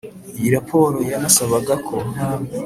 iyo rapport yanasabaga ko,